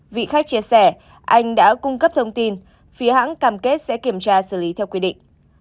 vị khách chia sẻ anh đã cung cấp thông tin phía hãng cam kết sẽ kiểm tra xử lý theo quy định